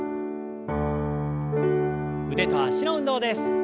腕と脚の運動です。